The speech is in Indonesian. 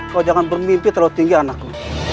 kau jangan bermimpi terlalu tinggi anakku